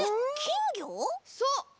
そう！